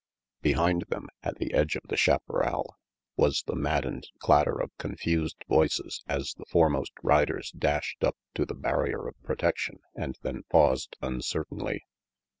Behind them, at the edge of the chaparral, was the maddened clatter of confused voices as the fore most riders dashed up to the barrier of protection and then paused uncertainly.